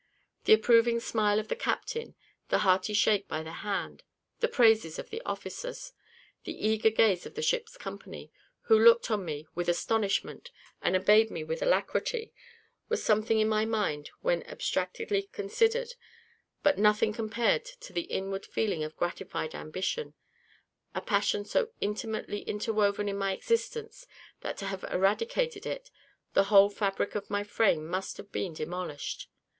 The approving smile of the captain the hearty shake by the hand the praises of the officers the eager gaze of the ship's company, who looked on me with astonishment and obeyed me with alacrity, were something in my mind, when abstractedly considered, but nothing compared to the inward feeling of gratified ambition, a passion so intimately interwoven in my existence, that to have eradicated it, the whole fabric of my frame must have been demolished.